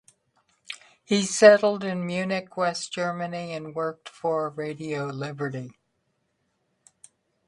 He settled in Munich, West Germany and worked for Radio Liberty.